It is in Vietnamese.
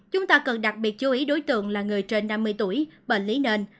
chúng ta cần đặc biệt chú ý đối tượng là người trên năm mươi tuổi bệnh lý nền